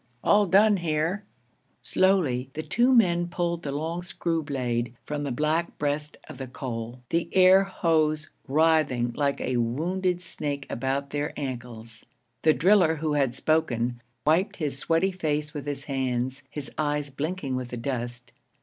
'All done here.' Slowly the two men pulled the long screw blade from the black breast of the coal, the air hose writhing like a wounded snake about their ankles. The driller who had spoken wiped his sweaty face with his hands, his eyes blinking with the dust.